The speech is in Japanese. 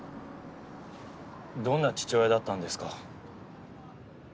どんな父親だったんですか？